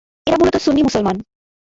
এরা মূলত সুন্নি মুসলমান।